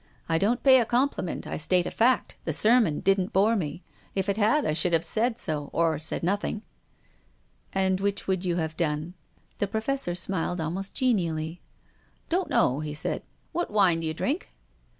" I don't pay a compliment. I state a fact. The sermon didn't bore me. If it had, I should have said so, or said nothing." " And which would you have done ?" The IVofessor smiled almost genially. " Don't know," he said. " What wine d'you drink